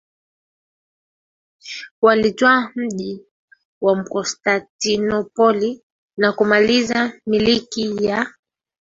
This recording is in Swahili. walitwaa mji wa Konstantinopoli na kumaliza Milki ya